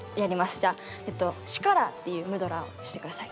じゃあえっとシカラっていうムドラーをして下さい。